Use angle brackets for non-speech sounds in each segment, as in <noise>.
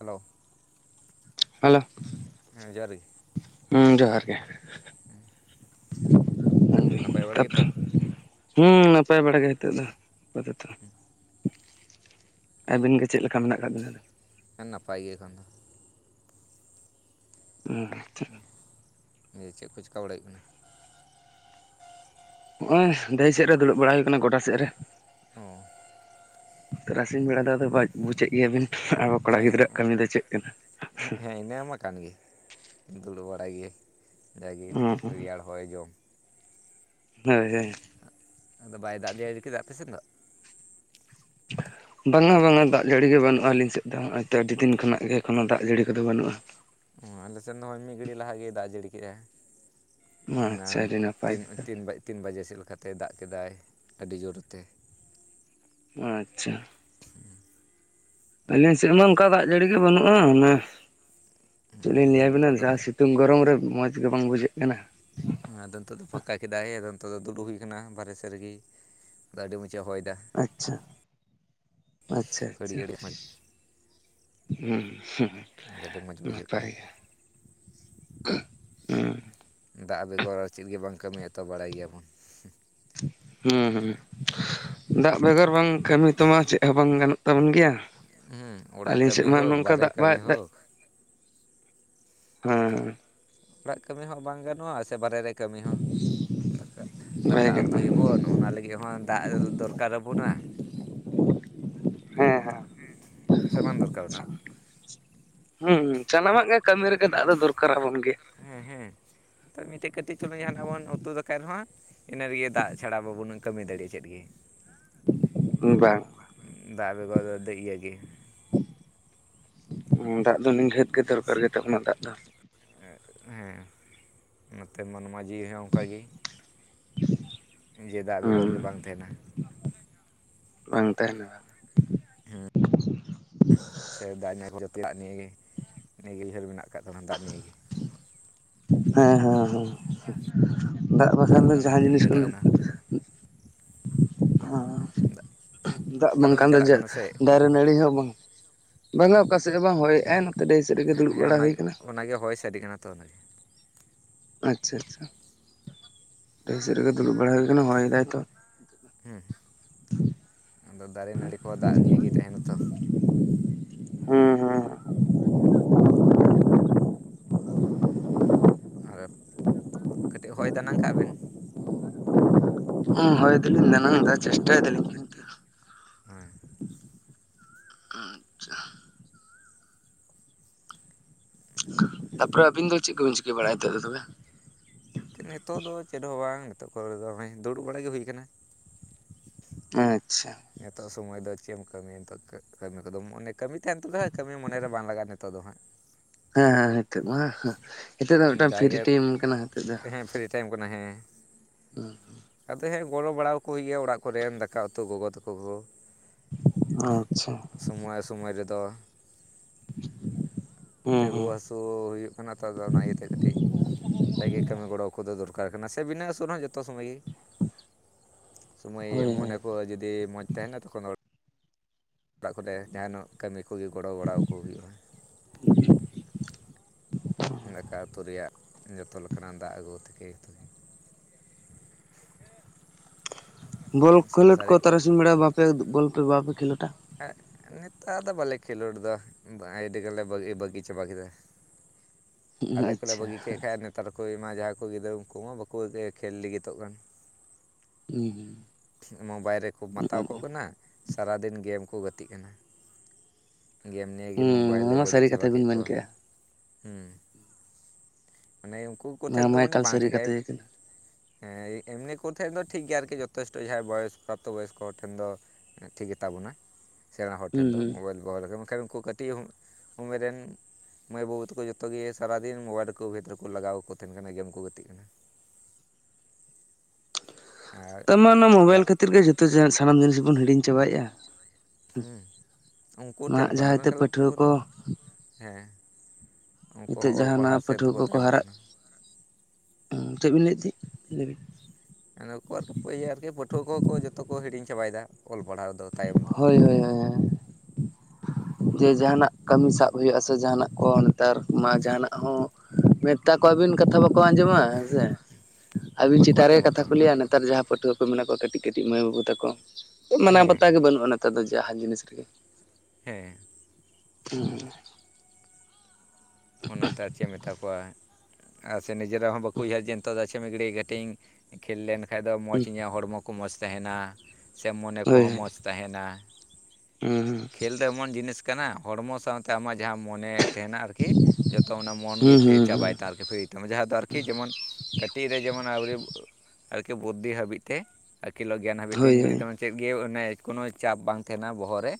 Hello. Hello, ᱦᱮᱸ ᱡᱚᱦᱟᱨ ᱜᱮ ᱾ ᱢᱮᱱ ᱱᱟᱯᱟᱭ ᱵᱤᱱ ᱵᱟᱲᱟ ᱜᱮᱛᱚ ᱛᱟᱯᱚᱨᱮ ᱦᱮᱸ ᱱᱟᱯᱟᱭ ᱵᱟᱲ ᱜᱮ ᱱᱤᱛᱚᱜ ᱫᱚ <unintelligible> ᱟᱹᱵᱤᱱ ᱜᱮ ᱪᱮᱫ ᱞᱮᱠᱟ ᱢᱮᱱᱟᱜ ᱟᱠᱟᱫ ᱵᱤᱱᱟ ᱟᱫᱚ? ᱦᱮᱸ ᱱᱟᱯᱟᱭ ᱜᱮ ᱮᱠᱷᱟᱱ ᱫᱚ᱾ ᱜᱚᱝᱠᱮ᱾ ᱱᱤᱭᱟᱹ ᱪᱮᱫ ᱠᱚ ᱪᱮᱠᱟ ᱵᱟᱲᱟᱭ ᱦᱩᱭᱩᱜ ᱠᱟᱱᱟ? ᱱᱚᱜ-ᱚᱭ ᱫᱟᱹᱭᱤ ᱥᱮᱫ ᱨᱮ ᱫᱩᱲᱩᱵ ᱵᱟᱲᱟ ᱦᱩᱭ ᱠᱟᱱᱟ ᱜᱚᱴᱟ ᱥᱮᱫ ᱨᱮ᱾ ᱠᱟᱱᱟ ᱚ ᱛᱟᱨᱟᱥᱤᱧ ᱵᱮᱲᱟ ᱫᱚ ᱟᱫᱚ ᱵᱩᱡᱟᱹᱜ ᱜᱮᱭᱟᱵᱤᱱ ᱟᱵᱚ ᱠᱚᱲᱟ ᱜᱤᱫᱽᱨᱟᱹᱣᱟᱜ ᱠᱟᱹᱢᱤ ᱫᱚ ᱪᱮᱫ ᱠᱟᱱᱟ᱾ ᱧᱮᱧᱟᱢ ᱠᱟᱱ ᱜᱮ ᱫᱩᱲᱩᱵ ᱵᱟᱲᱟᱭ ᱜᱮ ᱡᱟᱜᱮ ᱦᱩᱸ ᱨᱮᱭᱟᱲ ᱦᱚᱭ ᱡᱚᱢ᱾ ᱦᱳᱭ ᱦᱳᱭ᱾ ᱟᱫᱚ ᱵᱟᱭ ᱫᱟᱜ ᱡᱟᱹᱲᱤ ᱠᱮᱫᱟ ᱯᱮᱥᱮᱱ ᱫᱚ᱾ <unintelligible> ᱵᱟᱝᱟ ᱵᱟᱝᱟ ᱫᱟᱜ ᱡᱟᱹᱲᱤ ᱜᱮ ᱵᱟᱹᱱᱩᱜ-ᱟ ᱾ᱟᱹᱞᱤᱧ ᱥᱮᱫ ᱫᱚ ᱦᱚᱜ-ᱚᱭ ᱛᱚ ᱟᱹᱰᱤ ᱫᱤᱱ ᱠᱷᱚᱱᱟᱜ ᱜᱮ ᱠᱳᱱᱳ ᱫᱟᱜ ᱡᱟᱹᱲᱤ ᱠᱚᱫᱚ ᱵᱟᱹᱱᱩᱜ-ᱟ᱾ ᱚᱸ ᱟᱞᱮᱥᱮᱫ ᱫᱚᱭ ᱢᱤᱫ ᱜᱷᱟᱹᱲᱤᱡ ᱞᱟᱦᱟᱜ ᱜᱮ ᱫᱟᱜ ᱡᱟᱹᱲᱤ ᱠᱮᱫ-ᱟᱭ᱾ ᱚᱱᱟ ᱟᱪᱪᱷᱟ ᱟᱹᱰᱤ ᱱᱟᱯᱟᱭ ᱛᱤᱱ ᱠᱟᱛᱷᱟ ᱛᱤᱱ ᱛᱤᱱ ᱵᱟᱡᱮ ᱥᱮᱫ ᱞᱮᱠᱟᱛᱮ ᱫᱟᱜ ᱠᱮᱫᱟᱭ ᱟᱹᱰᱤ ᱡᱳᱨᱮᱛᱮ᱾ ᱟᱪᱪᱷᱟ᱾ <unintelligible> ᱟᱹᱞᱤᱧ ᱥᱮᱫ ᱢᱟ ᱚᱱᱠᱟ ᱫᱟᱜ ᱡᱟᱹᱲᱤ ᱜᱮ ᱵᱟᱹᱱᱩᱜ-ᱟ᱾ᱚᱱᱮ ᱪᱮᱫ ᱞᱤᱧ ᱟᱫᱚ ᱞᱟᱹᱭᱟ ᱵᱤᱱᱟ ᱱᱤᱛᱚᱜ ᱫᱚ ᱡᱟ ᱥᱤ- ᱥᱤᱛᱩᱝ ᱜᱚᱨᱚᱢ ᱨᱮ ᱢᱚᱡᱽ ᱜᱮ ᱵᱟᱝ ᱵᱩᱡᱷᱟᱹᱜ ᱠᱟᱱᱟ᱾ ᱟᱫᱚ ᱱᱤᱛᱚᱜ ᱫᱚ ᱯᱷᱟᱸᱠᱟ ᱠᱮᱫᱟᱭ᱾ ᱟᱫᱚ ᱱᱚᱛᱮ ᱫᱚ ᱫᱩᱲᱩ ᱦᱩᱭ ᱠᱟᱱᱟ ᱵᱟᱨᱦᱮ ᱥᱮᱫ ᱨᱮᱜᱮᱭ ᱟᱫᱚ ᱟᱹᱰᱤ ᱢᱚᱸᱡᱽ ᱮ ᱦᱚᱭᱮᱫᱟ᱾ ᱟᱪᱪᱷᱟ ᱟᱪᱪᱷᱟ ᱟᱪᱪᱷᱟ᱾ ᱦᱟᱹᱨᱭᱟᱹᱲ ᱦᱮᱸ ᱦᱩᱸᱜ ᱟᱫᱚ ᱟᱹᱰᱤ ᱢᱚᱡᱽ ᱵᱩᱡᱷᱟᱹᱜ ᱠᱟᱱᱟ ᱱᱟᱯᱟᱭ ᱜᱮ᱾ ᱫᱟᱜ ᱵᱮᱜᱚᱨ ᱟᱨ ᱪᱮᱫ ᱜᱮ ᱵᱟᱝ ᱠᱟᱹᱢᱤᱭᱟ ᱛᱚ ᱵᱟᱲᱟᱭ ᱜᱮᱭᱟ ᱵᱚᱱ᱾ ᱦᱩᱸ ᱦᱩᱸ᱾ ᱫᱟᱜ ᱵᱮᱜᱚᱨ ᱵᱟᱝ ᱠᱟᱹᱢᱤ ᱛᱮᱢᱟ ᱪᱮᱫ ᱦᱚᱸ ᱵᱟᱝ ᱜᱟᱱᱚᱜ ᱛᱟᱵᱚᱱ ᱜᱮᱭᱟ᱾ ᱦᱮᱸ ᱚᱲᱟᱜ ᱟᱹᱞᱤᱧ ᱥᱮᱫ ᱠᱟᱹᱢᱤ ᱢᱟ ᱦᱳᱠ ᱱᱚᱝᱠᱟ ᱵᱟᱨᱦᱮ ᱫᱟᱜ ᱵᱟᱭ ᱠᱟᱹᱢᱤ ᱫᱟᱜ ᱦᱳᱠ ᱦᱮᱸ᱾ ᱚᱲᱟᱜ ᱠᱟᱹᱢᱤ ᱦᱚᱸ ᱵᱟᱝ ᱜᱟᱱᱚᱜ-ᱟ ᱥᱮ, ᱵᱟᱨᱮ ᱨᱮ ᱠᱟᱹᱢᱤ ᱦᱚᱸ᱾ ᱫᱟᱠᱟ ᱵᱟᱭ ᱫᱟᱠᱟ ᱜᱟᱱᱚᱜᱼᱟ ᱩᱛᱩᱭᱟ ᱵᱚᱱ ᱚᱱᱟ ᱞᱟᱹᱜᱤᱫ ᱦᱚᱸ ᱫᱟᱜ ᱫᱚᱨᱠᱟᱨ ᱟᱵᱚᱱᱟ᱾ ᱦᱮᱸ ᱦᱮᱸ᱾ ᱥᱮ ᱵᱟᱝ ᱫᱚᱨᱠᱟᱨ ᱨᱮᱱᱟᱜ- ᱦᱩᱸ ᱦᱩᱸ ᱥᱟᱱᱟᱢᱟᱜ ᱜᱮ ᱠᱟᱹᱢᱤ ᱨᱮᱜᱮ ᱫᱟᱜ ᱫᱚᱨᱠᱟᱨ ᱟᱵᱚᱱ ᱜᱮ᱾ ᱦᱮᱸ ᱦᱮᱸ ᱛᱚ ᱢᱤᱫᱴᱮᱡ ᱠᱟᱹᱴᱤᱡ ᱪᱩᱞᱩᱝ ᱡᱟᱦᱟᱱᱟᱜ ᱵᱚᱱ ᱩᱛᱩ ᱫᱟᱠᱟᱭ ᱨᱮᱦᱚᱸ᱾ ᱤᱱᱟᱹ ᱨᱮᱜᱮ ᱫᱟᱜ ᱪᱷᱟᱲᱟ ᱵᱟᱵᱚᱱ ᱠᱟᱹᱢᱤ ᱫᱟᱲᱮᱭᱟᱜ ᱪᱮᱫ ᱜᱮ᱾ ᱵᱟᱝ ᱫᱟᱜ ᱵᱮᱜᱚᱨ ᱫᱚ ᱤᱭᱟᱹ ᱜᱮ᱾ ᱫᱟᱜ ᱫᱚ ᱱᱤᱜᱷᱟᱹᱛ ᱜᱮ ᱫᱚᱨᱠᱟᱨ ᱜᱮᱛᱟ ᱵᱚᱱᱟ ᱫᱟᱜ ᱫᱚ᱾ ᱦᱮᱸ ᱱᱚᱛᱮ ᱢᱚᱱᱢᱟ ᱡᱤᱣᱤ ᱦᱚᱸ ᱚᱱᱠᱟᱜᱮ ᱡᱮ ᱫᱟᱜ ᱵᱮᱜᱚᱨ ᱜᱮ ᱦᱩᱸ ᱵᱟᱝ ᱛᱟᱦᱮᱱᱟ᱾ ᱵᱟᱝ ᱛᱟᱦᱮᱱᱟ᱾ ᱦᱮᱸ ᱥᱮ ᱫᱟᱜ ᱡᱚᱛᱚᱣᱟᱜ ᱱᱤᱭᱮ ᱜᱮ᱾ ᱱᱤᱭᱟᱹ ᱜᱮᱞ ᱜᱷᱟᱹᱞ ᱢᱮᱱᱟᱜ ᱠᱟᱜ ᱵᱟᱱᱟ ᱫᱟᱜ ᱱᱤᱭᱮ ᱜᱮ᱾ ᱦᱮᱸ ᱦᱮᱸ ᱦᱮᱸ ᱫᱟᱜ ᱵᱟᱠᱷᱟᱱ ᱫᱚ ᱚᱱᱟ ᱡᱟᱦᱟᱸ ᱟᱹᱰᱤ ᱡᱤᱱᱤᱥ ᱞᱮᱠᱟ ᱠᱚᱜᱮ- ᱚᱱᱟ ᱦᱚᱸ ᱫᱟᱜ ᱦᱚᱸ ᱫᱟᱜ ᱚᱠᱟ ᱫᱚᱵᱮᱱ ᱵᱟᱝᱠᱷᱟᱱ ᱫᱚ ᱪᱟᱞᱟᱜ ᱡᱮ ᱠᱟᱱᱟ ᱥᱮ ᱫᱟ- ᱨᱮ ᱱᱟᱹᱲᱤ ᱦᱚᱸ ᱵᱟᱝ, ᱵᱟᱝᱟ ᱚᱠᱟᱥᱮᱫ ᱦᱚᱸ ᱵᱟᱝ ᱦᱚᱭ ᱮ-ᱟᱭ᱾ ᱦᱮᱸ ᱚᱱᱟᱜᱮ ᱚᱱᱟᱜᱮ ᱦᱚᱭ ᱥᱟᱰᱮ ᱠᱟᱱᱟ ᱛᱚ᱾ ᱟᱪᱪᱷᱟ ᱟᱪᱪᱷᱟ ᱰᱟᱹᱦᱤ ᱥᱮᱫ ᱨᱮᱜᱮ ᱫᱩᱲᱩᱵ ᱵᱟᱲᱟ ᱦᱩᱭ ᱠᱟᱱᱟ ᱦᱚᱭ ᱫᱟᱭ ᱛᱚ᱾ ᱦᱮᱸ ᱟᱫᱚ ᱫᱟᱨᱮ ᱱᱟᱹᱲᱤ ᱠᱚ ᱫᱟᱜ ᱱᱤᱭᱮ ᱜᱮ ᱛᱟᱦᱮᱱᱟ ᱛᱚ᱾ ᱦᱩᱸ ᱦᱳ ᱠᱟᱹᱴᱤᱡ ᱦᱚᱭ ᱫᱟᱱᱟᱝ ᱠᱟᱜ ᱵᱮᱱ, ᱦᱩᱸ ᱦᱚᱭ ᱫᱚᱞᱤᱧ ᱫᱟᱱᱟᱝ ᱟᱡ ᱫᱟ ᱪᱮᱥᱴᱟᱭ ᱫᱟᱞᱤᱧ᱾ ᱠᱤᱱᱛᱩ ᱦᱳᱭ᱾ ᱟᱪᱪᱷᱟ᱾ ᱛᱟᱨ ᱯᱚᱨᱮ ᱟᱹᱵᱤᱱ ᱫᱚ ᱪᱮᱫ ᱠᱚᱵᱤᱱ ᱪᱤᱠᱟᱹ ᱵᱟᱲᱟᱭ ᱛᱮ <unintelligible> ᱛᱚᱵᱮ᱾ ᱱᱤᱛᱚᱜ ᱫᱚ ᱪᱮᱫ ᱦᱚᱸ ᱵᱟᱝ ᱱᱤᱛᱚᱜ ᱠᱚᱨᱮ ᱫᱚ‌ ᱫᱩᱲᱩᱵ ᱵᱟᱲᱟ ᱜᱮ ᱦᱩᱭ ᱠᱟᱱᱟ᱾ ᱟᱪᱪᱷᱟ᱾ ᱱᱤᱛᱚᱜ ᱥᱚᱢᱚᱭ ᱫᱚ ᱪᱮᱫ ᱮᱢ ᱠᱟᱹᱢᱤᱭᱟ ᱱᱤᱛᱚᱜ ᱠᱟᱹᱢᱤ ᱠᱚᱫᱚ ᱢᱚᱱᱮ ᱠᱟᱹᱢᱤ ᱛᱟᱦᱮᱱ ᱛᱩᱞᱟᱹᱠ ᱠᱟᱹᱢᱤ ᱢᱚᱱᱮ ᱨᱮ ᱵᱟᱝ ᱞᱟᱜᱟᱜᱼᱟ ᱱᱤᱛᱚᱜ ᱫᱚ ᱦᱟᱸᱜ᱾ ᱦᱮᱸ ᱦᱮᱸ ᱱᱤᱛᱚᱜ ᱢᱟ ᱱᱤᱛᱚᱜ ᱫᱚ ᱢᱤᱫᱴᱟᱝ ᱯᱷᱨᱤ ᱡᱟᱭᱜᱮ ᱴᱤᱭᱟᱢ ᱠᱟᱱᱟ ᱱᱤᱛᱚᱜ ᱫᱚ᱾ ᱦᱮᱸ ᱯᱷᱨᱤ ᱴᱟᱭᱤᱢ ᱠᱟᱱᱟ ᱦᱮᱸ᱾ <unintelligible> ᱟᱫᱚ ᱦᱮᱸ ᱜᱚᱲᱚ ᱵᱟᱲᱟ ᱠᱚ ᱦᱩᱭᱩᱜ ᱜᱮ ᱚᱲᱟᱜ ᱠᱚᱨᱮᱱ ᱫᱟᱠᱟ ᱩᱛᱩ ᱜᱚᱜᱚ ᱛᱟᱠᱚ ᱦᱚᱸ᱾ ᱟᱪᱪᱷᱟ᱾ ᱥᱚᱢᱚᱭ ᱥᱚᱢᱚᱭ ᱨᱮᱫᱚ ᱦᱩᱸ ᱠᱮ ᱦᱩᱸ᱾ ᱨᱩᱣᱟᱹ ᱦᱟᱹᱥᱩ᱾ ᱨᱩᱣᱟᱹ ᱦᱩᱭᱩᱜ ᱠᱟᱱᱟ ᱛᱚ ᱚᱱᱟ ᱤᱭᱟᱹᱛᱮ ᱠᱟᱹᱴᱤᱡ᱾ ᱡᱟᱛᱮ ᱠᱟᱹᱢᱤ ᱜᱚᱲᱚ ᱠᱚᱫᱚ ᱫᱚᱨᱠᱟᱨ ᱠᱟᱱᱟ ᱥᱮ ᱵᱤᱱᱟᱹ ᱩᱥᱩᱞᱚ ᱦᱚᱸ ᱡᱷᱚᱛᱚ ᱥᱚᱢᱚᱭ ᱜᱤ᱾ ᱥᱳᱢᱚᱭ ᱦᱳᱭ ᱦᱳᱭ ᱢᱚᱱᱮ ᱠᱚ ᱡᱩᱫᱤ ᱢᱚᱡᱽ ᱛᱟᱦᱮᱱᱟ ᱛᱚᱠᱷᱚᱱᱚ᱾ ᱚᱲᱟᱜ ᱠᱚᱨᱮ ᱡᱟᱦᱟᱱᱟᱜ ᱠᱟᱹᱢᱤ ᱠᱚᱜᱮ ᱜᱚᱲᱚ ᱵᱟᱲᱟ ᱠᱚ ᱦᱩᱭᱩᱜᱼᱟ᱾ <inaudible> ᱫᱟᱠᱟ ᱩᱛᱩ ᱨᱮᱭᱟᱜ ᱡᱚᱛᱚ ᱞᱮᱠᱟᱱᱟᱜ ᱫᱟᱜ ᱟᱹᱜᱩ ᱛᱷᱮᱠᱮ᱾ <unintelligible> ᱵᱚᱞ ᱠᱷᱮᱞᱳᱰ ᱥᱚᱝᱥᱟᱨ ᱠᱚ ᱨᱮᱭᱟᱜ ᱠᱟᱹᱢᱤ᱾ ᱛᱟᱨᱟᱥᱤᱧ ᱵᱮᱲᱟ ᱵᱟᱯᱮ ᱵᱚᱞ ᱯᱮ ᱵᱟᱯᱮ ᱠᱷᱮᱞᱳᱴᱟ? ᱾ ᱮᱜ ᱱᱮᱛᱟᱨ ᱫᱚ ᱵᱟᱞᱮ ᱠᱷᱮᱞᱳᱰ ᱫᱟ <unintelligible> ᱵᱟᱹᱜᱤ ᱵᱟᱹᱜᱤ ᱪᱟᱵᱟ ᱠᱮᱫᱟ᱾ ᱟᱞᱮ ᱠᱚᱞᱮ ᱟᱪᱪᱷᱟ ᱵᱟᱹᱜᱤ ᱦᱩᱸ ᱠᱮᱫ ᱠᱷᱟ ᱱᱮᱛᱟᱨ ᱠᱚᱢᱟ ᱡᱟᱦᱟᱸᱭ ᱠᱚ ᱜᱤᱫᱽᱨᱟᱹ ᱩᱱᱠᱩ ᱢᱟ ᱵᱟᱠᱚ <unintelligible> ᱠᱷᱮᱞ ᱞᱟᱹᱜᱤᱫᱚᱜ ᱠᱟᱱ᱾ ᱦᱩᱸ ᱢᱳᱵᱟᱭᱤᱞ ᱨᱮᱠᱚ ᱢᱟᱛᱟᱣ ᱠᱚᱜ ᱠᱟᱱᱟ ᱥᱟᱨᱟ ᱫᱤᱱ ᱜᱮᱢ ᱠᱚ ᱜᱟᱛᱮᱜ ᱠᱟᱱᱟ᱾ ᱜᱮᱢ ᱱᱤᱭᱮ‌ ᱜᱮ ᱢᱳᱵᱟᱭᱤᱞᱮ ᱱᱚᱣᱟ ᱢᱟ ᱵᱟᱹᱲᱤᱡ ᱥᱟᱹᱨᱤ ᱪᱟᱵᱟ ᱠᱟᱛᱷᱟ ᱠᱮᱫ ᱵᱤᱱ ᱢᱮᱱ ᱠᱚᱣᱟ ᱠᱮᱜᱼᱟ᱾ ᱦᱩᱸ᱾ ᱢᱟᱱᱮ ᱩᱱᱠᱩ ᱱᱚᱣᱟ ᱠᱚᱴᱷᱮᱱ ᱫᱚ ᱢᱟ ᱢᱟᱱᱮ ᱮᱠᱟᱞ ᱵᱟᱝ ᱥᱟᱹᱨᱤ ᱴᱷᱤᱠᱟᱭ᱾ ᱠᱟᱛᱷᱟ ᱜᱮ ᱠᱟᱱᱟ ᱦᱮᱸ ᱮᱢᱱᱤ ᱠᱚ ᱴᱷᱮᱱ ᱫᱚ ᱴᱷᱤᱠ ᱜᱮᱭᱟ ᱟᱨᱠᱤ ᱡᱚᱛᱷᱮᱥᱴᱚ ᱡᱟᱦᱟᱸᱭ ᱵᱚᱭᱚᱥ ᱯᱨᱟᱯᱛᱚ ᱵᱚᱭᱚᱥ ᱠᱚ ᱦᱚᱲ ᱴᱷᱮᱱ ᱫᱚ᱾ ᱴᱷᱤᱠ ᱜᱮ ᱛᱟᱵᱚᱱᱟ ᱥᱮᱬᱟ ᱦᱚᱲ ᱦᱩᱸ ᱴᱷᱮᱱ ᱫᱚ ᱦᱩᱸ᱾ ᱢᱳᱵᱟᱭᱤᱞ᱾ ᱫᱚᱦᱚ ᱢᱮᱱᱠᱷᱟᱱ ᱩᱱᱠᱩ ᱠᱟᱹᱴᱤᱡ <unintelligible> ᱩᱢᱮᱨ ᱨᱮᱱ ᱢᱟᱹᱭ ᱵᱟᱹᱵᱩ ᱛᱟᱠᱚ ᱡᱚᱛᱚ ᱜᱮ᱾ ᱥᱟᱨᱟ ᱫᱤᱱ ᱢᱳᱵᱟᱭᱤᱞ ᱨᱮᱠᱚ ᱵᱷᱮᱛ ᱨᱮᱠᱚ ᱞᱟᱜᱟᱣ ᱟᱠᱚ ᱛᱟᱦᱮᱱ ᱠᱟᱱᱟ ᱜᱮᱢ ᱠᱚ ᱜᱟᱛᱮᱜ ᱠᱟᱱᱟ᱾ ᱟᱨ ᱛᱟᱨ ᱢᱟᱱᱮ ᱡᱟ ᱢᱳᱵᱟᱭᱤᱞ ᱠᱷᱟᱹᱛᱤᱨ ᱜᱮ ᱡᱷᱚᱛᱚ ᱥᱟᱱᱟᱢ ᱡᱤᱱᱤᱥ ᱵᱚᱱ ᱦᱤᱲᱤᱧ ᱪᱟᱵᱟᱭᱮᱫᱼᱟ᱾ ᱦᱩᱸ ᱩᱱᱠᱩ ᱴᱷᱮᱱ ᱠᱷᱚᱱ ᱡᱟᱦᱟᱸᱭ ᱫᱚᱢ ᱛᱮ <unintelligible> ᱯᱟᱹᱴᱷᱩᱣᱟᱹ ᱠᱚ ᱛᱟᱵᱚᱱᱟ ᱦᱮᱸ᱾ ᱩᱱᱠᱩ ᱱᱤᱛᱚᱜ ᱦᱚᱸ ᱚᱞ ᱯᱟᱲᱦᱟᱣ ᱡᱟᱦᱟᱱᱟᱜ ᱥᱮᱫ ᱯᱟᱹᱴᱷᱩᱣᱟᱹ ᱫᱚᱠᱚ ᱠᱚᱠᱚ ᱛᱟᱭᱚᱢᱚᱜ ᱦᱟᱨᱟᱜ ᱠᱟᱱᱟ᱾ ᱪᱮᱫ ᱵᱤᱱ ᱞᱟᱹᱭᱮᱫ ᱛᱟᱦᱮᱸᱫ ᱞᱟᱹᱭ ᱵᱤᱱ᱾ ᱚᱠᱷᱚᱨ <unintelligible> ᱟᱨᱠᱤ ᱯᱟᱹᱴᱷᱩᱣᱟᱹ ᱠᱚᱦᱚᱸ ᱠᱚ ᱡᱚᱛᱚ ᱠᱚ ᱦᱤᱲᱤᱧ ᱪᱟᱵᱟᱭᱮᱫᱟ ᱚᱞ ᱯᱟᱲᱦᱟᱣ ᱫᱚ᱾ ᱛᱟᱭᱚᱢ ᱫᱟᱠᱚ ᱦᱳᱭ ᱦᱳᱭ ᱦᱳᱭ ᱦᱳᱭ᱾ ᱡᱮ ᱡᱟᱦᱟᱱᱟᱜ ᱠᱟᱹᱢᱤ ᱥᱟᱵ ᱦᱩᱭᱩᱜᱼᱟ ᱥᱮ ᱡᱟᱦᱟᱱᱟᱜ ᱠᱚ ᱱᱮᱛᱟᱨ ᱢᱟ ᱡᱟᱦᱟᱱᱟᱜ ᱦᱚᱸ᱾ ᱢᱮᱛᱟ ᱠᱚᱣᱟ ᱟᱹᱵᱤᱱ ᱠᱟᱛᱷᱟ ᱵᱟᱠᱚ ᱟᱸᱡᱚᱢᱟ ᱦᱮᱥᱮ ᱟᱹᱵᱤᱱ ᱵᱟᱠᱚ ᱪᱮᱛᱟᱱ ᱨᱮᱜᱮ ᱟᱸᱡᱚᱢᱟ ᱛᱚ ᱠᱟᱛᱷᱟ ᱠᱚ ᱞᱟᱹᱭᱟ ᱱᱮᱛᱟᱨ ᱡᱟᱦᱟᱸ ᱯᱟᱹᱴᱷᱩᱣᱟᱹ ᱠᱚ ᱢᱮᱱᱟᱜ ᱠᱚᱣᱟ ᱠᱟᱹᱴᱤᱡ ᱠᱟᱹᱴᱤᱡ ᱢᱟᱹᱭ ᱵᱟᱹᱵᱩ ᱛᱟᱠᱚ ᱢᱟᱱᱟᱣ ᱦᱮᱸ ᱵᱟᱛᱟᱣ ᱜᱮ ᱵᱟᱹᱱᱩᱜᱼᱟ ᱱᱮᱛᱟᱨ ᱫᱚ ᱡᱟᱦᱟᱱ ᱡᱤᱱᱤᱥ ᱨᱮᱜᱮ᱾ ᱦᱮᱸ᱾ <unintelligible> ᱚᱱᱟᱛᱮ ᱟᱨ ᱪᱮᱫ ᱢᱮᱛᱟ ᱠᱚᱣᱟ ᱟᱨ ᱥᱮ ᱱᱤᱡᱮᱨᱟᱜ ᱦᱚᱸ ᱵᱟᱠᱚ ᱩᱭᱦᱟᱹᱨ ᱡᱮ ᱱᱤᱛᱚᱜ ᱫᱚ ᱟᱪᱷᱮ ᱢᱤᱫ‌ ᱜᱷᱟᱹᱲᱤ ᱠᱟᱹᱴᱤᱡ ᱤᱧ᱾ ᱠᱷᱮᱞ ᱞᱮᱱ ᱠᱷᱟᱱ ᱫᱚ ᱢᱚᱡᱽ ᱤᱧᱟᱹᱜ ᱦᱚᱲᱢᱚ ᱠᱚ ᱢᱚᱡᱽ ᱛᱟᱦᱮᱱᱟ ᱥᱮ ᱢᱚᱱᱮ ᱦᱳᱭ ᱠᱚᱦᱚᱸ ᱢᱚᱡᱽ ᱛᱟᱦᱮᱱᱟ᱾ ᱦᱩᱸ ᱦᱩᱸ ᱠᱷᱮᱞ ᱫᱚ ᱮᱢᱚᱱ ᱡᱤᱱᱤᱥ ᱠᱟᱱᱟ ᱦᱚᱲᱢᱚ ᱥᱟᱶᱛᱮ ᱟᱢᱟᱜ ᱡᱟᱦᱟᱸ ᱢᱚᱱᱮ᱾ ᱛᱟᱦᱮᱱᱟ ᱟᱨᱠᱤ ᱡᱚᱛᱚ ᱚᱱᱟ ᱢᱚᱱ ᱜᱮ ᱯᱷᱨᱤ ᱦᱩᱸ ᱦᱩᱸ ᱪᱟᱵᱟᱭ ᱛᱟ ᱟᱨᱠᱤ ᱯᱷᱨᱤ᱾ ᱡᱟᱦᱟᱸ ᱫᱚ ᱟᱨᱠᱤ ᱡᱮᱢᱚᱱ ᱠᱟᱹᱴᱤᱡ ᱨᱮ ᱡᱮᱢᱚᱱ ᱟᱹᱣᱨᱤ ᱟᱨᱠᱤ ᱵᱩᱫᱽᱫᱷᱤ ᱦᱟᱹᱵᱤᱡ ᱛᱮ᱾ ᱟᱹᱠᱤᱞᱚᱜ ᱜᱮᱭᱟᱱ ᱦᱟᱹᱵᱤᱡ ᱦᱳᱭ ᱛᱤᱱ ᱦᱳᱭ ᱜᱷᱟᱹᱲᱤᱡ ᱫᱚᱢ ᱪᱮᱫ ᱜᱮ ᱚᱱᱮ ᱠᱳᱱᱳ ᱪᱟᱯ ᱵᱟᱝ ᱛᱟᱦᱮᱱᱟ ᱵᱚᱦᱚᱜ ᱨᱮ᱾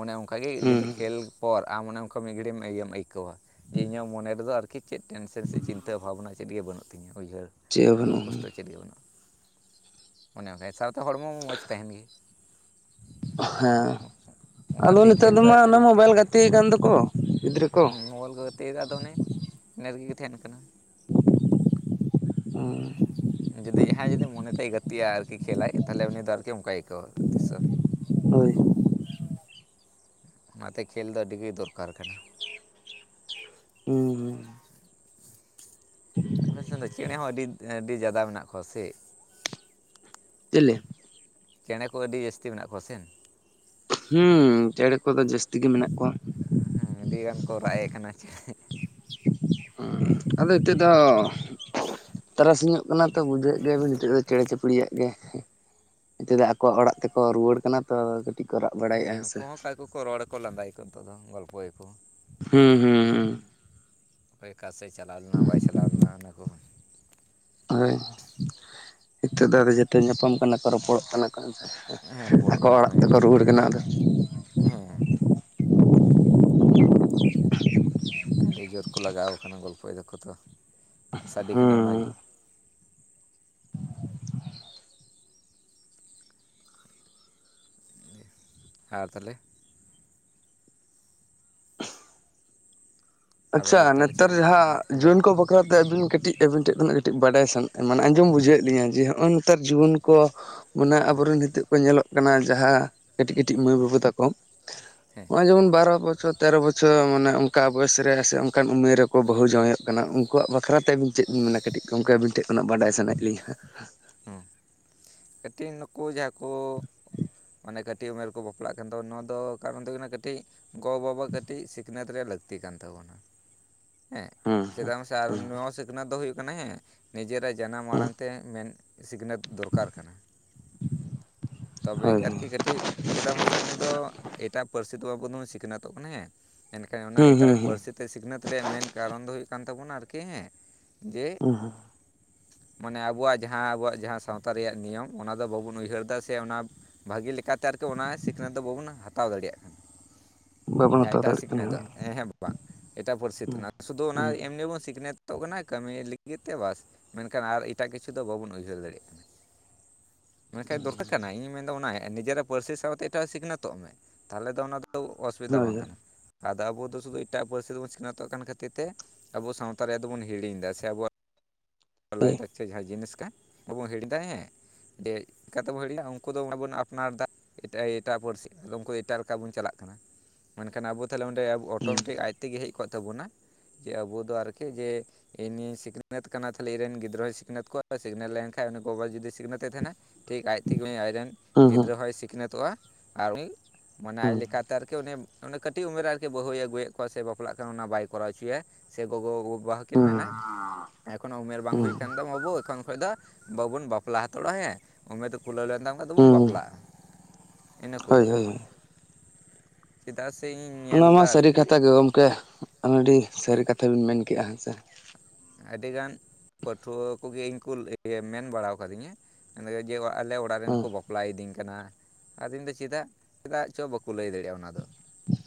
ᱚᱱᱮ ᱚᱱᱠᱟᱜᱮ ᱡᱩᱫᱤ ᱦᱩᱸ ᱠᱷᱮᱞ ᱯᱚᱨ ᱟᱢ ᱚᱱᱮ ᱚᱱᱠᱟ ᱢᱤᱫ ᱜᱷᱟᱹᱲᱤᱡ ᱤᱭᱟᱹᱢ ᱟᱹᱭᱠᱟᱹᱣᱟ ᱡᱮ ᱤᱧᱟᱹᱜ ᱢᱚᱱᱮ ᱨᱮᱫᱚ ᱟᱨᱠᱤ ᱪᱮᱫ ᱴᱮᱱᱥᱮᱱ ᱥᱮ ᱪᱤᱱᱛᱟᱹ ᱵᱷᱟᱵᱽᱱᱟ ᱪᱮᱫ ᱜᱮ ᱵᱟᱱᱩᱜ ᱛᱤᱧᱟᱹ ᱩᱭᱦᱟᱹᱨ ᱪᱮᱫ ᱦᱚᱸ ᱫᱩᱠ ᱵᱟᱹᱱᱩᱜᱼᱟ ᱠᱚᱥᱴᱚ ᱪᱮᱫ ᱜᱮ ᱵᱟᱹᱱᱩᱜᱼᱟ᱾ ᱚᱱᱮ ᱦᱮᱭᱥᱟ ᱛᱚ ᱦᱚᱲᱢᱚ ᱢᱚᱡᱽ ᱛᱟᱦᱮᱱ ᱜᱮ ᱦᱮᱸ ᱟᱫᱚ ᱚᱱᱟᱛᱮ ᱱᱤᱛᱚᱜ ᱠᱷᱮᱞ ᱫᱚ ᱫᱚᱢᱟ ᱚᱱᱟ ᱞᱟᱹᱠᱛᱤ ᱢᱳᱵᱟᱭᱤᱞ ᱠᱟᱱᱟ ᱜᱟᱛᱮ ᱠᱟᱱ ᱫᱚ ᱠᱚ ᱜᱤᱫᱽᱨᱟᱹ ᱠᱚ ᱛᱮ ᱫᱚ ᱚᱱᱮ ᱱᱮᱨ ᱜᱮ ᱛᱟᱦᱮᱱ ᱠᱟᱱᱟ᱾ ᱚᱸᱻ ᱡᱩᱫᱤ ᱡᱟᱦᱟᱸᱭ ᱡᱩᱫᱤ ᱢᱚᱱᱮᱛᱮᱭ ᱜᱟᱛᱮᱜᱼᱟ ᱟᱨᱠᱤ ᱠᱷᱮᱞᱟᱭ ᱛᱟᱦᱚᱞᱮ ᱩᱱᱤ ᱫᱚ ᱟᱨᱠᱤ ᱚᱱᱠᱟᱭ ᱟᱹᱭᱠᱟᱹᱣᱟ ᱛᱤᱥᱚ ᱦᱳᱭ ᱚᱱᱟᱛᱮ ᱠᱷᱮᱞ ᱫᱚ ᱟᱹᱰᱤ ᱜᱮ ᱫᱚᱨᱠᱟᱨ ᱠᱟᱱᱟ᱾ ᱦᱩᱸ ᱦᱩᱸ ᱟᱵᱮᱱ ᱥᱮᱱ ᱫᱚ ᱪᱮᱬᱮ ᱦᱚᱸ ᱟᱰᱤ ᱟᱰᱤ ᱡᱟᱫᱟ ᱢᱮᱱᱟᱜ ᱠᱚᱣᱟ ᱥᱮ? ᱪᱤᱞᱤ? ᱪᱮᱬᱮᱸ ᱠᱚ ᱟᱹᱰᱤ ᱡᱟᱹᱥᱛᱤ ᱢᱮᱱᱟᱜ ᱠᱚᱣᱟ ᱥᱮ? ᱦᱩᱸ ᱪᱮᱬᱮ ᱠᱚᱫᱚ ᱡᱟᱹᱥᱛᱤ ᱜᱮ ᱢᱮᱱᱟᱜ ᱠᱚᱣᱟ᱾ ᱦᱮᱸ ᱟᱹᱰᱤ ᱜᱟᱱ ᱠᱚ ᱨᱟᱜᱼᱮᱜ ᱠᱟᱱᱟ ᱪᱮᱼᱼ ᱦᱸ ᱟᱫᱚ ᱦᱤᱛᱚᱜ ᱫᱚᱼᱼ ᱛᱟᱨᱥᱤᱧᱚᱜ ᱠᱟᱱᱟ ᱛᱚ ᱵᱩᱡᱷᱟᱹᱜ ᱜᱮᱭᱟᱵᱤᱱ ᱱᱤᱛᱚᱜ ᱫᱚ ᱪᱮᱬᱮ ᱪᱤᱯᱲᱤᱭᱟᱜᱼᱼ ᱜᱮ ᱱᱤᱛᱚ ᱫᱚ ᱟᱠᱚᱣᱟᱜ ᱚᱲᱟᱜ ᱛᱮᱠᱚ ᱨᱩᱣᱟᱹᱲ ᱠᱟᱱᱟ ᱛᱚ, ᱠᱚ ᱨᱟᱜ ᱵᱟᱲᱟᱭᱮᱫᱼᱟ ᱦᱮᱸ ᱥᱮ ᱩᱱᱠᱩ ᱦᱚᱸ ᱟᱠᱚ ᱠᱚ ᱨᱚᱲᱟᱠᱚ ᱞᱟᱸᱫᱟᱭᱟᱠᱚ ᱱᱤᱛᱚᱜ ᱫᱚ ᱜᱚᱞᱯᱷᱚᱭᱟᱠᱚ ᱦᱩᱸ ᱦᱩᱸ ᱦᱩᱸ ᱚᱠᱚᱭ ᱚᱠᱟ ᱥᱮᱫ ᱪᱟᱞᱟᱣ ᱞᱮᱱᱟ ᱵᱟᱭ ᱪᱟᱞᱟᱣ ᱞᱮᱱᱟ ᱚᱱᱟᱠᱚ᱾ ᱦᱳᱭ ᱱᱤᱛᱚᱜ ᱫᱚ ᱟᱫᱚ ᱡᱮᱛᱮ ᱧᱟᱯᱟᱢ ᱠᱟᱱᱟ ᱠᱚ ᱨᱚᱯᱚᱲᱚᱜ ᱠᱟᱱᱟ ᱠᱚ ᱦᱱ ᱦᱮᱸ ᱨᱚᱯᱚᱲᱚᱜ ᱟᱠᱚ ᱚᱲᱟᱜ ᱛᱮᱠᱚ ᱨᱩᱣᱟᱹᱲ ᱠᱟᱱᱟ ᱟᱫᱚᱼᱼ ᱦᱮᱸᱻ <inaudible> ᱟᱰᱤ ᱡᱳᱨ ᱠᱚ ᱞᱟᱜᱟᱣ ᱠᱟᱱᱟ ᱜᱚᱞᱯᱚᱭ ᱫᱟᱠᱚ ᱛᱚ ᱥᱟᱰᱮ ᱦᱩᱸ ᱠᱟᱱᱟ ᱦᱩᱸ ᱚᱱᱟᱜᱮ ᱟᱨ ᱛᱟᱦᱞᱮ? <inaudible> ᱟᱵᱮᱱ ᱫᱚ ᱟᱪᱪᱷᱟ ᱛᱟᱦᱚᱞᱮ ᱪᱮᱫ ᱱᱮᱛᱟᱨ ᱡᱟᱦᱟᱸ ᱦᱮᱸ ᱞᱟᱹᱭ ᱡᱩᱣᱟᱹᱱ ᱵᱮᱱ ᱠᱚ ᱵᱟᱼᱼ ᱚᱱᱛᱮ ᱟᱹᱵᱤᱱ ᱠᱟᱹᱴᱤᱡ ᱟᱹᱵᱤᱱ ᱴᱷᱮᱱ ᱠᱷᱚᱱᱟᱜ ᱠᱟᱹᱴᱤᱡ ᱵᱟᱰᱟᱭ ᱢᱟᱱᱮ ᱟᱸᱡᱚᱢ ᱵᱩᱡᱷᱟᱹᱣᱮᱫ ᱞᱤᱧᱟ ᱡᱮ ᱱᱚᱜᱼᱚᱭ ᱱᱮᱛᱟᱨ ᱡᱩᱣᱟᱹᱱ ᱠᱚ ᱢᱟᱱᱮ ᱟᱵᱚᱨᱮᱱ ᱦᱤᱛᱚᱜ ᱠᱚ ᱧᱮᱞᱚᱜ ᱠᱟᱱᱟ ᱡᱟᱦᱟᱸ ᱠᱟᱹᱴᱤᱡ ᱠᱟᱹᱴᱤᱡ ᱢᱟᱹᱭ ᱵᱟᱵᱩ ᱛᱟᱠᱚ ᱦᱮᱸ ᱦᱚᱸᱜᱼᱚᱭ ᱡᱮᱢᱚᱱ ᱵᱟᱨᱚ ᱵᱚᱪᱷᱚᱨ ᱛᱮᱨᱚ ᱵᱚᱪᱷᱚᱨ ᱢᱟᱱᱮ ᱚᱱᱠᱟ ᱵᱚᱭᱮᱥ ᱨᱮᱼᱼ ᱥᱮ ᱚᱱᱠᱟᱱ ᱩᱢᱮᱨ ᱨᱮᱠᱚ ᱵᱟᱦᱩ ᱡᱟᱶᱟᱭᱚᱜ ᱠᱟᱱᱟ ᱩᱱᱠᱩᱣᱟᱜ ᱵᱟᱠᱷᱨᱟ ᱛᱮ ᱟᱵᱤᱱ ᱪᱮᱫ ᱵᱤᱱ ᱢᱮᱱᱟ ᱠᱟᱹᱴᱤᱡ ᱜᱚᱢᱠᱮ ᱟᱹᱵᱤᱱ ᱴᱷᱮᱱ ᱠᱷᱚᱱᱟᱜ ᱵᱟᱰᱟᱭ ᱥᱟᱱᱟᱭᱮᱫ ᱞᱤᱧᱟ? ᱦᱮᱸ ᱦᱚᱸ ᱠᱟᱹᱴᱤᱡ ᱱᱩᱠᱩ ᱡᱟᱦᱟᱸ ᱠᱚᱼᱼ ᱢᱟᱱᱮ ᱠᱟᱹᱴᱤᱡ ᱩᱢᱮᱨ ᱠᱚ ᱵᱟᱯᱞᱟᱜ ᱠᱟᱱ ᱛᱟᱵᱚ ᱱᱚᱣᱟ ᱫᱚ ᱠᱟᱨᱚᱱ ᱫᱚ ᱦᱩᱭᱩᱜ ᱠᱟᱱᱟ ᱠᱟᱹᱴᱤᱡ ᱜᱚᱼᱵᱟᱵᱟ ᱠᱟᱴᱤᱡ ᱥᱤᱠᱷᱱᱟᱹᱛ ᱨᱮᱭᱟᱜ ᱞᱟᱠᱛᱤᱼᱼ ᱞᱟᱠᱛᱤ ᱠᱟᱱ ᱛᱟᱵᱚᱱᱟ ᱦᱮᱸ ᱦᱮᱸ ᱪᱮᱫᱟᱜ ᱢᱟᱥᱮ ᱦᱮᱸ ᱟᱨ ᱦᱮᱸ ᱱᱚᱣᱟ ᱥᱤᱠᱷᱱᱟᱹᱛ ᱫᱚ ᱦᱩᱭᱩᱜ ᱠᱟᱱᱟ ᱦᱮᱸᱼᱼ ᱱᱤᱡᱮᱨᱟᱜ ᱡᱟᱱᱟᱢ ᱟᱲᱟᱝ ᱛᱮ ᱢᱮᱱ ᱥᱤᱠᱷᱱᱟᱹᱛ ᱫᱚᱨᱠᱟᱨ ᱠᱟᱱᱟ᱾ ᱛᱚᱵᱮ ᱦᱳᱭ ᱦᱳᱭ ᱜᱮᱼᱼ ᱠᱟᱹᱴᱤᱡ ᱪᱮᱫᱟᱜ ᱢᱟᱥᱮ ᱩᱱᱤᱫ ᱫᱚ ᱮᱴᱟᱜ ᱯᱟᱹᱨᱥᱤ ᱫᱚ ᱵᱟᱵᱚᱱ ᱥᱤᱠᱷᱱᱟᱹᱛᱚᱜ ᱠᱟᱱᱟ ᱦᱮᱸᱼᱼ ᱢᱮᱱᱠᱷᱟᱱ ᱚᱱᱟ ᱦᱩᱸ ᱮᱴᱟᱜ ᱦᱩᱸ ᱯᱟᱹᱨᱥᱤ ᱛᱮ ᱥᱤᱠᱷᱱᱟᱹᱛ ᱨᱮᱭᱟᱜ ᱢᱮᱱ ᱠᱟᱨᱚᱱ ᱫᱚ ᱦᱩᱭᱩᱜ ᱠᱟᱱ ᱛᱟᱵᱚᱱᱟ ᱟᱨᱠᱤ ᱦᱮᱸ, ᱡᱮᱼᱼ ᱦᱩᱸ ᱦᱩᱸ ᱢᱟᱱᱮ ᱟᱵᱚᱣᱟᱜ ᱡᱟᱦᱟᱸ ᱟᱵᱚᱣᱟᱜ ᱡᱟᱦᱟᱸ ᱥᱟᱶᱛᱟ ᱨᱮᱭᱟᱜ ᱱᱤᱭᱚᱢ ᱚᱱᱟ ᱫᱚ ᱵᱟᱵᱚᱱ ᱩᱭᱦᱟᱹᱨ ᱮᱫᱟ ᱥᱮ ᱚᱱᱟᱼᱼ ᱵᱷᱟᱜᱤ ᱞᱮᱠᱟᱛᱮ ᱟᱨᱠᱤ ᱚᱱᱟ ᱥᱤᱠᱷᱱᱟᱹᱛ ᱫᱚ ᱵᱟᱵᱚᱱ ᱦᱟᱛᱟᱣ ᱫᱟᱲᱮᱭᱟᱜ ᱠᱟᱱᱟ᱾ ᱵᱟᱵᱚᱱ ᱡᱟᱦᱟᱸᱭ ᱦᱟᱛᱟᱣ ᱮᱴᱟᱜ ᱫᱟᱲᱮᱭᱟᱜ ᱠᱟᱱᱟ ᱥᱤᱠᱷᱱᱟᱹᱛᱚᱜ ᱦᱮᱸ ᱦᱮᱸ ᱵᱟᱝ ᱮᱴᱟᱜ ᱯᱟᱹᱨᱥᱤ ᱛᱮ ᱱᱟ ᱥᱩᱫᱷᱩ ᱚᱱᱟ ᱦᱩᱸ ᱮᱢᱱᱤ ᱵᱚᱱ ᱥᱤᱠᱷᱱᱟᱹᱛ, ᱛᱚᱜ ᱠᱟᱱᱟ ᱠᱟᱹᱢᱤ ᱞᱟᱜᱤᱫᱛᱮ ᱵᱟᱥ ᱢᱮᱱᱠᱷᱟᱱ ᱟᱨ ᱮᱴᱟᱜ ᱠᱤᱪᱷᱩ ᱫᱚ ᱵᱟᱵᱚᱱ ᱩᱭᱦᱟᱹᱨ ᱫᱟᱲᱮᱭᱟᱜ ᱠᱟᱱᱟ᱾ ᱢᱮᱱᱠᱷᱟᱭ ᱫᱚᱨᱠᱟᱨ ᱠᱟᱱᱟ ᱤᱧ ᱢᱮᱱᱫᱟ ᱚᱱᱟ ᱱᱤᱡᱮᱨᱟᱜ ᱯᱟᱹᱨᱥᱤ ᱥᱟᱶᱛᱮ ᱮᱴᱟᱜ ᱥᱤᱠᱷᱱᱟᱹᱛᱚᱜ ᱢᱮ ᱛᱟᱦᱚᱞᱮ ᱫᱚ ᱚᱱᱟ ᱫᱚ, ᱫᱚ ᱦᱩᱸ ᱚᱥᱩᱵᱤᱫᱷᱟ ᱦᱳᱭ ᱵᱟᱝ ᱦᱳᱭ ᱠᱟᱱᱟ᱾ ᱟᱫᱚ ᱟᱵᱚ ᱫᱚ ᱥᱩᱫᱷᱩ ᱮᱴᱟᱜ ᱯᱟᱹᱨᱥᱤ ᱛᱮᱵᱚᱱ ᱥᱤᱠᱷᱱᱟᱹᱛᱚᱜ ᱠᱟᱱ ᱠᱷᱟᱹᱛᱤᱨ ᱛᱮ ᱟᱵᱚ ᱥᱟᱶᱛᱟ ᱨᱮᱭᱟᱜ ᱫᱚᱵᱚᱱ ᱦᱤᱲᱤᱧ ᱫᱟ ᱥᱮ ᱟᱵᱚᱣᱟᱜ, ᱞᱟᱭ ᱫᱟᱠᱪᱮᱫ ᱡᱟᱦᱟᱸ ᱡᱤᱱᱤᱥ ᱠᱟᱱ, ᱵᱟᱵᱚ ᱦᱤᱲᱤᱧ ᱫᱟ ᱦᱮᱸ ᱡᱮ ᱪᱮᱠᱟᱛᱮᱵᱚ ᱦᱤᱲᱤᱧᱟ ᱩᱱ, ᱩᱱᱠᱩ ᱫᱚ ᱢᱟᱵᱚᱱ ᱟᱯᱱᱟᱨ ᱫᱟ ᱮᱴᱟᱜ ᱮᱴᱟᱜ ᱯᱟᱹᱨᱥᱤ ᱩᱱᱠᱩ ᱮᱴᱟᱜ ᱞᱮᱠᱟ ᱵᱚᱱ ᱪᱟᱞᱟᱜ ᱠᱟᱱᱟ ᱢᱮᱱᱠᱷᱟᱱ ᱟᱵᱚ, ᱛᱟᱦᱚᱞᱮ ᱚᱸᱰᱮ ᱟᱵᱚ ᱚᱴᱳᱢᱮᱴᱤᱠ ᱟᱡ ᱛᱮᱜᱮ ᱦᱮᱜ ᱠᱚᱜ ᱛᱟᱵᱚᱱᱟ ᱡᱮ ᱟᱵᱚ ᱫᱚ ᱟᱨᱠᱤ ᱡᱮ, ᱤᱧᱤᱧ ᱥᱤᱠᱷᱱᱟᱹᱛ ᱠᱟᱱᱟ ᱛᱟᱞᱮ ᱤᱧᱨᱮᱱ ᱜᱤᱫᱽᱨᱟᱹᱭ ᱥᱤᱠᱷᱱᱟᱹᱛ ᱠᱚᱣᱟ ᱥᱤᱠᱷᱱᱟᱹᱛ ᱞᱮᱱᱷᱟᱟᱱ ᱩᱱᱤ ᱜᱚᱜᱚ ᱡᱩᱫᱤ ᱥᱤᱠᱷᱱᱟ. ᱛᱮ ᱛᱟᱦᱮᱱᱟ, ᱴᱷᱤᱠ ᱟᱡ ᱛᱮᱜᱮ, <unintelligible> ᱟᱡᱨᱮᱱ ᱦᱩᱸ ᱜᱤᱫᱽᱨᱟᱹ ᱦᱚᱸᱭ ᱥᱤᱠᱷᱱᱟᱹᱛᱚᱜᱼᱟ ᱟᱨ ᱩᱱᱤ ᱢᱟᱱᱮ ᱦᱩᱸ ᱟᱡ ᱞᱮᱠᱟᱛᱮ ᱟᱨᱠᱤ ᱩᱱᱤ ᱩᱱᱤ ᱠᱟᱹᱴᱤᱜ ᱩᱢᱮᱨ ᱨᱮ ᱟᱨᱠᱤ ᱵᱟᱹᱦᱩᱭ ᱟᱹᱜᱩᱭᱮᱜ ᱠᱚᱣᱟ ᱥᱮ ᱵᱟᱯᱞᱟᱜ ᱠᱟᱱᱟ ᱚᱱᱟ ᱵᱟᱭ ᱠᱚᱨᱟᱣ ᱦᱚᱪᱚᱭᱟ ᱥᱮ ᱜᱚᱜᱚ ᱼᱜᱚ, ᱵᱟᱵᱟ ᱦᱚᱸᱠᱤᱱ ᱦᱩᱸ ᱦᱩᱸ ᱢᱮᱱᱟ ᱮᱠᱷᱚᱱᱚ ᱩᱢᱮᱨ ᱵᱟᱝ ᱦᱩᱭ ᱦᱩᱸ ᱟᱠᱟᱱ ᱛᱟᱢᱟ ᱵᱟᱹᱵᱩ ᱮᱠᱷᱚᱱ ᱠᱷᱚᱭ ᱫᱚ, ᱵᱟᱵᱚᱱ ᱵᱟᱯᱞᱟ ᱦᱟᱛᱟᱲᱚᱜᱼᱟ ᱦᱮᱸ ᱩᱢᱮᱨ ᱫᱚ ᱠᱩᱞᱟᱹᱣ ᱞᱮᱱ ᱛᱟᱢ ᱠᱷᱟᱭ ᱫᱚᱵᱚᱱ ᱦᱩᱸ ᱵᱟᱯᱞᱟᱜᱼᱟ᱾ ᱤᱱᱟᱹ ᱠᱚ ᱦᱳᱭ ᱞᱟᱹᱭᱟ ᱦᱳᱭ ᱪᱮᱫᱟᱜ ᱥᱮ ᱤᱧ, ᱚᱱᱟ ᱧᱮᱞ ᱢᱟ ᱮᱫᱟ ᱥᱟᱹᱨᱤ ᱟᱨᱠᱤ ᱠᱟᱛᱷᱟ ᱜᱮ ᱜᱚᱝᱠᱮ ᱟᱹᱰᱤ ᱥᱟᱹᱨᱤ ᱠᱟᱛᱷᱟ ᱵᱤᱱ ᱢᱮᱱ ᱠᱮᱜᱼᱟ ᱦᱮᱸ ᱥᱮ᱾ ᱟᱹᱰᱤ ᱜᱟᱱ ᱯᱟᱹᱴᱷᱩᱣᱟᱹ ᱠᱚᱜᱮ ᱤᱧ ᱠᱚ ᱢᱮᱱ ᱵᱟᱲᱟ ᱟᱠᱟᱫᱤᱧᱟ ᱢᱮᱱ ᱡᱮ ᱟᱞᱮ ᱚᱲᱟᱜ, ᱚᱲᱟᱜ ᱨᱮᱱ ᱦᱩᱸ ᱠᱚ ᱵᱟᱯᱞᱟᱭᱤᱫᱤᱧ ᱠᱟᱱᱟ ᱟᱫᱚᱧ ᱫᱟ ᱪᱮᱫᱟᱜ ᱪᱮᱫᱟᱜ ᱪᱚ ᱵᱟᱠᱚ ᱞᱟᱹᱭ ᱫᱟᱲᱮᱭᱟᱜᱼᱟ ᱚᱱᱟ ᱫᱚ᱾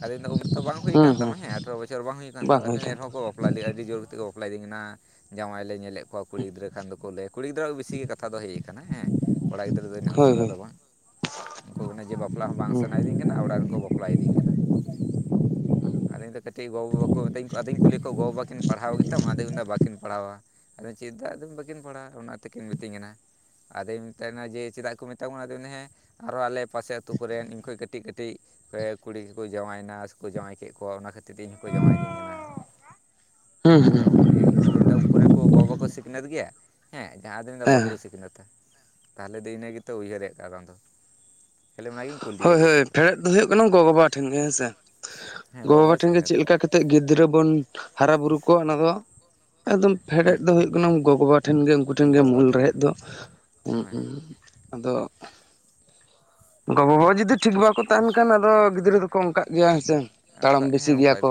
ᱟᱫᱤᱱ ᱫᱚ ᱩᱢᱮᱨ ᱫᱚ ᱵᱟᱝ ᱦᱩᱭ ᱦᱩᱸ ᱠᱟᱱ ᱛᱟᱢᱟ ᱦᱩᱸ ᱦᱮ ᱟᱴᱷᱨᱚ ᱵᱚᱪᱷᱚᱨ ᱦᱩᱭ ᱠᱟᱱ ᱛᱟᱢ ᱟᱫᱚ ᱮᱱᱨᱮ ᱦᱚᱸ ᱠᱚ ᱵᱟᱯᱞᱟ ᱞᱮᱫᱼᱟ ᱟᱹᱰᱤ ᱡᱳᱨ ᱛᱮᱜᱮᱠᱚ ᱵᱟᱯᱞᱟ ᱫᱤᱧ᱾ ᱮᱱᱟ ᱡᱟᱶᱟᱭ ᱞᱮ ᱧᱮᱞᱮᱫ ᱠᱚᱣᱟ ᱠᱩᱲᱤ ᱜᱤᱫᱽᱨᱟᱹ ᱠᱷᱟᱱ ᱫᱚᱠᱚ ᱞᱟᱹᱭᱟ ᱠᱩᱲᱤ ᱜᱤᱫᱽᱨᱟᱹᱣᱟᱜ ᱵᱤᱥᱤ ᱜᱮ ᱠᱟᱛᱷᱟ ᱫᱚ ᱦᱮᱡᱹᱜ ᱟᱠᱟᱱᱟ ᱦᱮᱸ᱾ ᱠᱚᱲᱟ ᱜᱤᱫᱽᱨᱟᱹ ᱫᱚ ᱤᱱᱟᱹᱜ ᱦᱳᱭ ᱩᱥᱟᱹᱨᱟ ᱦᱳᱭ ᱫᱚ ᱵᱟᱝ᱾ ᱩᱱᱠᱩ ᱚᱱᱮ ᱡᱮ ᱵᱟᱯᱞᱟ ᱦᱚᱸ ᱵᱟᱝ ᱦᱩᱸ ᱥᱟᱱᱟᱭᱤᱫᱤᱧ ᱠᱟᱱᱟ ᱚᱲᱟᱜ ᱨᱮᱱ ᱠᱚ ᱵᱟᱯᱞᱟᱭ ᱫᱤᱧ ᱠᱟᱱᱟ᱾ ᱟᱫᱚᱧ ᱫᱚ ᱠᱟᱹᱴᱤᱜ ᱜᱚᱼᱵᱟᱵᱟ ᱠᱚ ᱢᱮᱛᱟᱧ ᱠᱚ ᱟᱫᱚᱧ ᱠᱩᱞᱤ ᱠᱚᱣᱟ ᱜᱚᱼᱵᱟᱵᱟ ᱠᱤᱱ ᱯᱟᱲᱦᱟᱣ ᱜᱮᱛᱟᱢ ᱟᱫᱚ, ᱫᱚ ᱵᱟᱹᱠᱤᱱ ᱯᱟᱲᱦᱟᱣᱟ ᱟᱫᱚ ᱪᱮᱫᱟ ᱟᱫᱚ ᱵᱟᱹᱠᱤᱱ ᱯᱟᱲᱦᱟᱜ ᱚᱱᱟ ᱛᱮᱠᱤᱱ ᱢᱤᱛᱟᱹᱧ ᱠᱟᱱᱟ᱾ ᱟᱫᱚᱭ ᱢᱮᱛᱟᱭ ᱠᱟᱱᱟ ᱡᱮ ᱪᱮᱫᱟᱜ ᱠᱚ ᱢᱮᱛᱟᱢᱟ ᱟᱫᱚ ᱢᱮᱱᱫᱟ ᱦᱮᱸ ᱟᱨᱚ ᱟᱞᱮ ᱯᱟᱥᱮ ᱟᱹᱛᱩ ᱠᱚᱨᱮᱱ ᱤᱧᱠᱷᱚᱭ ᱠᱟᱹᱴᱤᱜ ᱠᱟᱹᱴᱤᱜ ᱠᱩᱲᱤ ᱠᱚᱠᱚ ᱡᱟᱶᱟᱭᱱᱟ ᱥᱮᱠᱚ ᱡᱟᱶᱟᱭ ᱠᱮᱫ ᱠᱚᱣᱟ ᱚᱱᱟ ᱠᱷᱟᱹ ᱛᱤᱨ ᱤᱧ ᱦᱚᱸᱠᱚ ᱡᱟᱶᱟᱭᱤᱫᱤᱧ ᱠᱟᱱᱟ ᱦᱩᱸ ᱦᱩᱸ ᱟᱫᱚᱜᱼᱱᱤᱭᱟᱹ ᱜᱮ ᱟᱫᱚ ᱢᱮᱱᱫᱟ, ᱩᱱᱠᱚᱨᱮᱱ ᱠᱚ ᱜᱚᱜᱚ ᱠᱚ ᱥᱤᱠᱷᱱᱟᱹᱛ ᱜᱮᱭᱟ ᱦᱮᱸ ᱡᱟᱦᱟᱸ ᱟᱫᱚ ᱢᱮᱱᱫᱟ ᱦᱮᱸ ᱵᱟᱠᱚ ᱥᱤᱠᱷᱱᱟᱹᱛᱟ᱾ ᱛᱟᱦᱚᱞᱮ ᱫᱟᱹᱭᱱᱟᱹ ᱜᱮᱛᱚ ᱩᱭᱦᱟᱹᱨᱮᱜ <unintelligible> ᱫᱚ, ᱠᱷᱟᱹᱞᱤ ᱚᱱᱟᱜᱤᱧ ᱦᱳᱭ ᱠᱩᱞᱤᱭᱮᱭᱟ ᱦᱳᱭ ᱵᱮᱥᱤ ᱯᱷᱮᱰᱮᱫ ᱫᱚ ᱦᱩᱭᱩᱜ ᱠᱟᱱᱟ ᱜᱚᱼᱵᱟᱵᱟ ᱴᱷᱮᱱ ᱜᱮ ᱦᱮᱸᱥᱮ᱾ ᱦᱮᱸ ᱜᱚ-ᱵᱟᱵᱟ ᱜᱚᱼᱵᱟᱵᱟ ᱴᱷᱮᱱ ᱜᱮ ᱥᱤᱠᱷᱱᱟᱹᱛᱚᱜ ᱪᱮᱫᱞᱮᱠᱟ ᱠᱟᱛᱮᱫ ᱜᱤᱫᱽᱨᱟᱹ ᱵᱚᱱ ᱦᱟᱨᱟ ᱵᱩᱨᱩ ᱠᱚᱣᱟ ᱚᱱᱟ ᱫᱚ, ᱮᱠᱫᱚᱢ ᱦᱩᱸ ᱯᱷᱮᱰᱮᱫ ᱫᱚ ᱦᱩᱭᱩᱜ ᱠᱟᱱᱟ ᱜᱚᱜᱚᱵᱟ, ᱴᱷᱮᱱ ᱜᱮ ᱩᱱᱠᱩ ᱴᱷᱮᱱ ᱜᱮ ᱜᱚ ᱵᱟᱵᱟ ᱢᱩᱞ ᱴᱷᱮᱱ ᱨᱮᱦᱮᱫ ᱫᱚ ᱦᱩᱸ ᱜᱮ ᱦᱩᱸ ᱟᱫᱚ, ᱜᱚ-ᱵᱟᱵᱟ ᱡᱩᱫᱤ ᱴᱷᱤᱠ ᱵᱟᱠᱚ ᱛᱟᱦᱮᱱ ᱠᱷᱟᱱ ᱟᱫᱚ ᱜᱤᱫᱽᱨᱟᱹ ᱫᱚᱠᱚ ᱚᱱᱠᱟᱜ ᱜᱮᱭᱟ ᱦᱮᱸᱥᱮ ᱦᱮᱸ ᱛᱟᱲᱟᱢ ᱚᱱᱠᱟ ᱵᱮᱥᱤ ᱦᱮᱸ ᱜᱮᱭᱟ ᱚᱱᱠᱟ ᱠᱚ᱾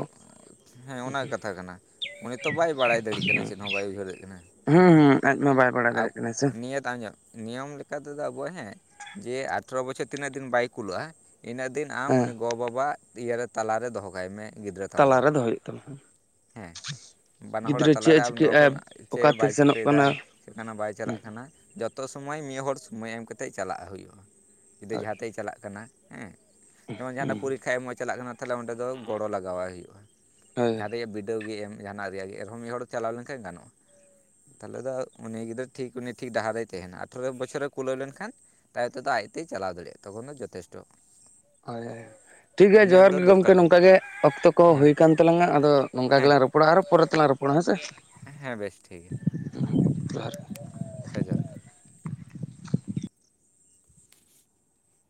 ᱦᱮᱸ ᱚᱱᱟ ᱠᱟᱛᱷᱟ ᱠᱟᱱᱟ ᱩᱱᱤ ᱛᱚ ᱵᱟᱭ ᱵᱟᱲᱟᱭ ᱫᱟᱲᱮᱭᱟᱜ ᱠᱟᱱᱟ ᱪᱮᱫ ᱦᱚ ᱵᱟᱭ ᱩᱭᱦᱟᱹᱨ ᱫᱟᱲᱮᱭᱟᱜ ᱠᱟᱱᱟ᱾ ᱦᱩᱸ ᱦᱩᱸ ᱟᱡ ᱢᱟ ᱵᱟᱭ, ᱵᱟᱲᱟᱭ ᱟᱵ ᱫᱟᱲᱮᱭᱟᱜ ᱠᱟᱱᱟ ᱥᱮ ᱱᱤᱭᱟᱹᱛᱟ ᱧᱚᱜ, ᱱᱤᱭᱚᱢ ᱞᱮᱠᱟᱛᱮᱫᱚ ᱟᱵᱚᱭ ᱦᱮᱸ ᱡᱮ ᱟᱴᱷᱨᱚ ᱵᱚᱪᱷᱚᱨ ᱛᱤᱱᱟᱹᱜ ᱫᱤᱱ ᱵᱟᱭ ᱠᱩᱞᱟᱹᱜᱼᱟ ᱤᱱᱟᱹᱜ ᱫᱤᱱ, ᱟᱢ ᱦᱮᱸ ᱩᱱᱤ ᱜᱚ-ᱵᱟᱵᱟ ᱤᱭᱟᱹᱨᱮ ᱛᱟᱞᱟᱨᱮ ᱫᱚᱦᱚ ᱠᱟᱭ ᱢᱮ᱾ ᱜᱤᱫᱽᱨᱟᱹ ᱛᱟᱢ ᱫᱚ ᱛᱟᱞᱟᱨᱮ ᱫᱚᱦᱚᱭ ᱦᱩᱭᱩᱜ ᱛᱟᱢᱟ ᱦᱮᱸ, ᱦᱮᱸ ᱵᱟᱱᱟ ᱦᱚᱲᱟᱜ ᱛᱟᱞᱟᱨᱮ ᱟᱢ ᱫᱚᱦᱚ ᱠᱟᱭᱢᱮ ᱪᱮᱜ ᱚᱠᱟᱛᱮ ᱵᱟᱭ ᱥᱮᱱᱚᱜ ᱪᱤᱠᱟᱹᱭ ᱫᱟ ᱠᱟᱱᱟ ᱪᱮᱫᱞᱮᱠᱟᱱᱟᱜ ᱵᱟᱭ ᱦᱩᱸ ᱪᱟᱞᱟᱜ ᱠᱟᱱᱟ, ᱱᱟ, ᱡᱚᱛᱚ ᱥᱚᱢᱚᱭ ᱢᱤᱫ ᱦᱚᱲ ᱥᱚᱢᱚᱭ ᱮᱢ ᱠᱟᱛᱮᱜ ᱪᱟᱞᱟᱜ ᱦᱩᱭᱩᱜᱼᱟ᱾ ᱡᱩᱫᱤ ᱦᱳᱭ ᱡᱟᱦᱟᱸ ᱛᱮᱭ ᱪᱟᱞᱟᱜ ᱠᱟᱱᱟ ᱦᱮᱸ ᱡᱮᱢᱚᱱ ᱡᱟᱦᱟᱱᱟᱜ ᱦᱩᱸ ᱯᱚᱨᱤᱠᱷᱟ ᱮᱢᱚᱜ ᱮ ᱪᱟᱞᱟᱜ ᱠᱟᱱᱟ ᱛᱟᱦᱚᱞᱮ ᱚᱸᱰᱮ ᱫᱚ ᱜᱚᱲᱚ ᱞᱟᱜᱟᱣᱟᱭ ᱦᱩᱭᱩᱜᱼᱟ ᱾ ᱦᱳᱭ ᱾ ᱥᱮ ᱵᱤᱰᱟᱹᱣ ᱜᱮ ᱮᱢ ᱡᱟᱦᱟᱱᱟᱜ ᱨᱮᱭᱟᱜ ᱜᱮ ᱮᱱᱨᱮᱦᱚᱸ ᱢᱤᱫ ᱦᱚᱲ ᱪᱟᱞᱟᱣ ᱞᱮᱱᱠᱷᱟᱱ ᱜᱟᱱᱚᱜᱼᱟ, ᱛᱟᱦᱚᱞᱮ ᱫᱚ ᱩᱱᱤ ᱜᱤᱫᱽᱨᱟᱹ ᱴᱷᱤᱠ ᱩᱱᱤ ᱴᱷᱤᱠ ᱰᱟᱦᱟᱨᱮᱭ ᱛᱟᱦᱮᱱᱟ ᱟᱴᱷᱨᱚ ᱵᱚᱪᱷᱚᱨᱮ ᱠᱩᱞᱟᱹᱣ ᱞᱮᱱᱠᱷᱟᱱ ᱛᱟᱭᱚᱢ ᱛᱮᱫᱚ ᱟᱡᱛᱮᱭ ᱪᱟᱞᱟᱣ ᱫᱟᱲᱮᱭᱟᱜᱼᱟ ᱛᱚᱠᱷᱚᱱ ᱫᱚ ᱡᱚᱛᱷᱮᱥᱴᱚ ᱾ ᱦᱳᱭ ᱦᱳᱭ ᱴᱷᱤᱠ ᱜᱮᱭᱟ ᱡᱚᱦᱟᱨ ᱫᱚ ᱜᱮ ᱜᱚᱢᱠᱮ ᱫᱚᱨᱠᱟᱨ ᱱᱚᱝᱠ ᱠᱟᱱᱟ ᱜᱮ ᱚᱠᱛᱚ ᱠᱚ ᱦᱮᱸ ᱦᱩᱭᱠᱟᱱ ᱛᱟᱞᱟᱝᱼᱟ ᱟᱫᱚ ᱱᱚᱝᱠᱟ ᱦᱮᱸ ᱜᱮᱞᱟᱝ ᱨᱚᱯᱚᱲ ᱯᱚᱲᱟ ᱟᱨᱦᱚᱸ ᱯᱚᱨᱮ ᱛᱮᱞᱟᱝ ᱨᱚᱯᱚᱲᱟ ᱦᱮᱸᱥᱮ ᱾ ᱦᱮᱸ ᱵᱮᱥ ᱴᱷᱤᱠ ᱜᱮᱭᱟ ᱾ ᱡᱚᱦᱟᱨ ᱾ ᱦᱮᱸ ᱡᱚᱦᱟᱨ ᱜᱮ ᱾